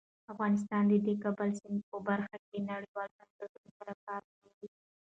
افغانستان د د کابل سیند په برخه کې نړیوالو بنسټونو سره کار کوي.